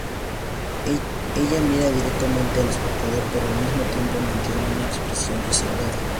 Ella mira directamente al espectador, pero al mismo tiempo mantiene una expresión reservada.